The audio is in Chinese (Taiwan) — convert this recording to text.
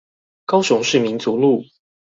高雄市民族路